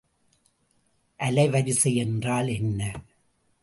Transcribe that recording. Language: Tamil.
அலைவரிசை என்றால் என்ன?